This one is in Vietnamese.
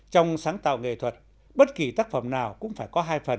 trong sáng tạo nghệ thuật bất kỳ tác phẩm nào cũng phải có hai phần